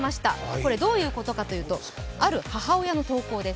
これ、どういうことかというとある母親の投稿です。